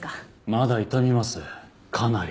まだ痛みますかなり。